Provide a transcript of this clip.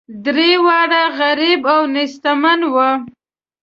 درې واړه غریب او نیستمن وه.